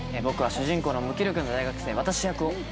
僕は主人公の無気力な大学生私役を。